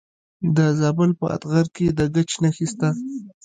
د زابل په اتغر کې د ګچ نښې شته.